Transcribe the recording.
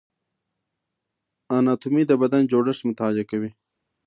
اناتومي د بدن جوړښت مطالعه کوي